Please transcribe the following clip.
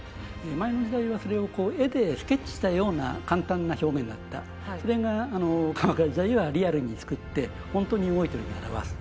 前の時代はそれをこう絵でスケッチしたような簡単な表現だったそれが鎌倉時代にはリアルに造ってホントに動いてるように表す